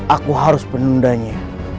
aku harus menunda nya